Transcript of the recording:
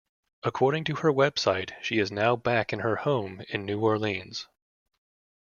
According to her website she is now back in her home in New Orleans.